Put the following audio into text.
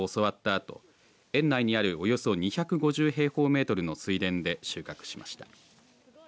あと園内にあるおよそ２５０平方メートルの水田で収穫しました。